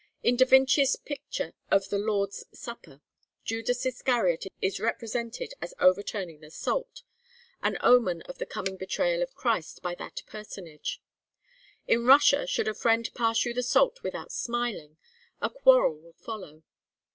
In Da Vinci's picture of the Lord's Supper, Judas Iscariot is represented as overturning the salt an omen of the coming betrayal of Christ by that personage. In Russia, should a friend pass you the salt without smiling, a quarrel will follow.